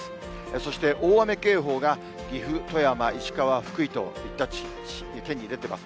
そして大雨警報が、岐阜、富山、石川、福井といった県に出ています。